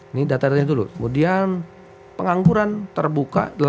ini data datanya dulu kemudian pengangguran terbuka delapan lima ratus